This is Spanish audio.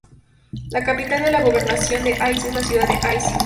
La capital de la gobernación de Asiut es la ciudad de Asiut.